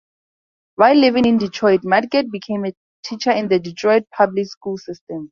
While living in Detroit, Madgett became a teacher in the Detroit public school system.